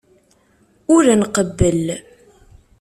Ur nqebbel.